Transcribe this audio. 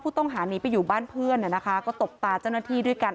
ต้องหนีไปอยู่บ้านเพื่อนก็ตบตาเจ้าหน้าที่ด้วยกัน